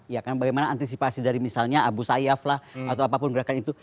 ya kan bagaimana antisipasi dari misalnya abu sayyaf lah atau apapun gerakan itu